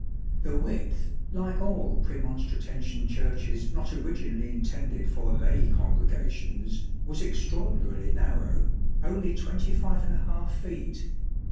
11 The width, like all Premonstratensian churches not originally intended for lay congregations, was extraordinarily narrow ; only 25^ feet.